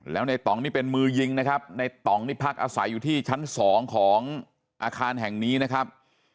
แล้วในต่องนี่เป็นมือยิงนะครับในต่องนี่พักอาศัยอยู่ที่ชั้น๒ของอาคารแห่งนี้นะครับ